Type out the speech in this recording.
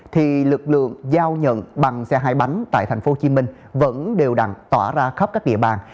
thì lực lượng giao nhận bằng xe hai bánh tại tp hcm vẫn đều đặn tỏa ra khắp các địa bàn